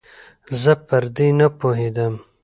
زه پر دې نپوهېدم